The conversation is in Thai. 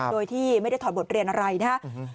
โดยที่ไม่ได้ถอดบทเรียนอะไรนะครับ